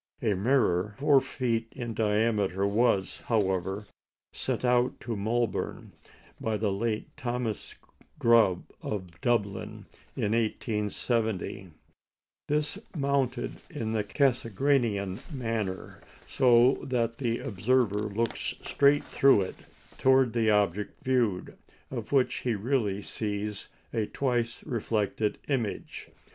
A mirror four feet in diameter was, however, sent out to Melbourne by the late Thomas Grubb of Dublin in 1870. This is mounted in the Cassegrainian manner, so that the observer looks straight through it towards the object viewed, of which he really sees a twice reflected image.